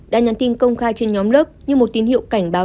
đã nhắn tin công khai trên nhóm lớp như một tín hiệu cảnh báo